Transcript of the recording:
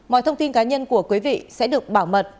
mọi thông tin cá nhân của quý vị sẽ được bảo mật